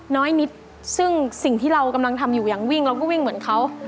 น้อยนิดซึ่งสิ่งที่เรากำลังทำอยู่อย่างวิ่งเราก็วิ่งเหมือนเขา